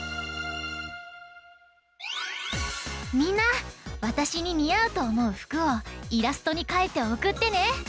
みんなわたしににあうとおもうふくをイラストにかいておくってね！